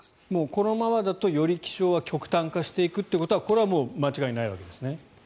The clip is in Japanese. このままだとより気象は極端化していくということはこれはもう間違いないわけですね。